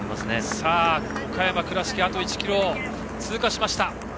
さあ、岡山・倉敷あと１ｋｍを通過しました。